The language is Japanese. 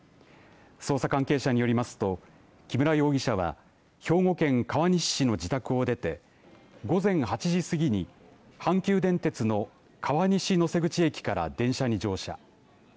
捜査関係者によりますと木村容疑者は兵庫県川西市の自宅を出て午前８時過ぎに阪急電鉄の川西能勢口駅から電車に乗車。